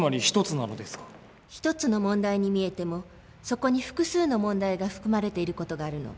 １つの問題に見えてもそこに複数の問題が含まれている事があるの。